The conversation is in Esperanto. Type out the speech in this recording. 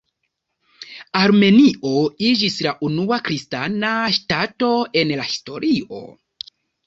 Armenio iĝis la unua kristana ŝtato en la historio.